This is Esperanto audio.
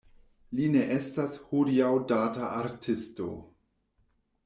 Li ne estas hodiaŭ-data artisto.